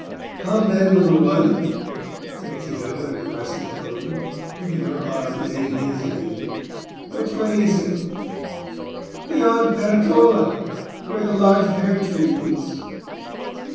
"Come, then, little one," said Tito, in a caressing tone, putting her arm within his again. "Which way is it?" "Beyond Peretola—where the large pear tree is."